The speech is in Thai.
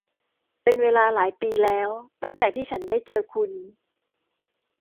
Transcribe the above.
เป็นเวลาหลายปีแล้วตั้งแต่ที่ฉันได้เจอคุณ !